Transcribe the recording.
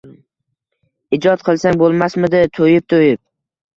«Ijod qilsang bo‘lmasmidi to‘yib-to‘yib